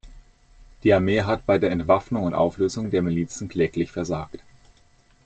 Die Armee hat bei der Entwaffnung und Auflösung der Milizen kläglich versagt.